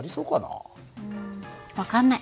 うん分かんない。